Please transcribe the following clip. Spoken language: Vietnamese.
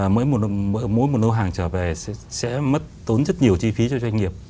mỗi một lô hàng trở về sẽ mất tốn rất nhiều chi phí cho doanh nghiệp